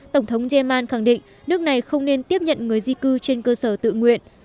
tổng thống yeman khẳng định nước này không nên tiếp nhận người di cư trên cơ sở tự nguyện